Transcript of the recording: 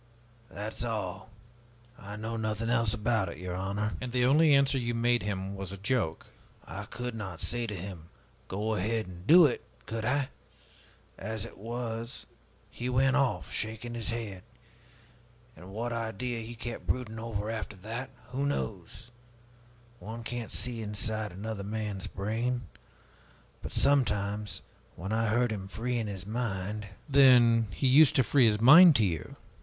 That is all. I know nothing else about it, your honor!" "And the only answer you made him was a joke?" "I could not say to him, 'Go ahead and do it,' could I? As it was he went off, shaking his head. And what idea he kept brooding over, after that, who knows? One can't see inside of another man's brain. But sometimes, when I heard him freeing his mind " "Then he used to free his mind to you?"